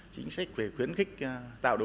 chính sách về khuyến khích tạo độc